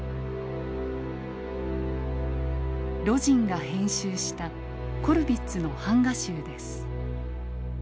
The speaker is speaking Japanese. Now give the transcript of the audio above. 魯迅が編集したコルヴィッツの版画集です。